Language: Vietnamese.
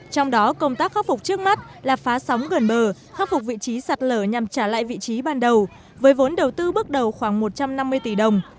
trong đó công tác khắc phục trước mắt là phá sóng gần bờ khắc phục vị trí sạt lở nhằm trả lại vị trí ban đầu với vốn đầu tư bước đầu khoảng một trăm năm mươi tỷ đồng